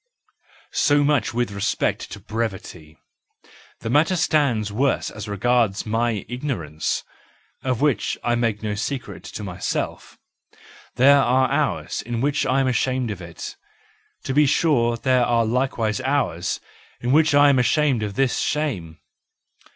So much with respect to brevity; the matter stands worse as regards my ignorance, of which I make no secret to myself. There are hours in which I am ashamed of it; to be sure there are likewise hours in which I am ashamed of this shame.